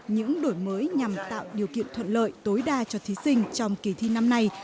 những đổi mới nhằm tạo điều kiện thuận lợi tối đa cho thí sinh trong kỳ thi năm nay